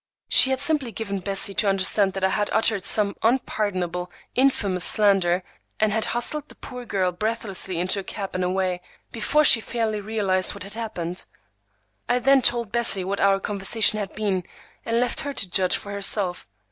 She had simply given Bessie to understand that I had uttered some unpardonable, infamous slander, and had hustled the poor girl breathlessly into a cab and away, before she fairly realized what had happened. I then told Bessie what our conversation had been, and left her to judge for herself.